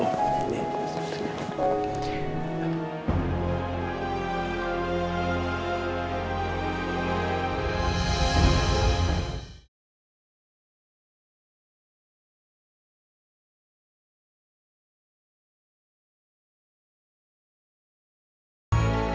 saya mau nunggu